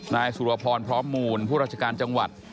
นายสุรพรพร้อมมูลผู้ราชการจังหวัด